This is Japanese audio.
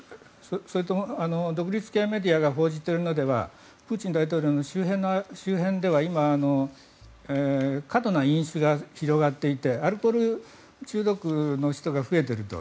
それと、独立系メディアが報じているのではプーチン大統領の周辺では今、過度な飲酒が広がっていてアルコール中毒の人が増えていると。